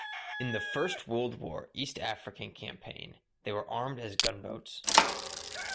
In the First World War East African Campaign, they were armed as gunboats.